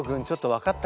分かった！